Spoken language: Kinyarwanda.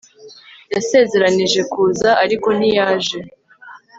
yasezeranije kuza, ariko ntiyaje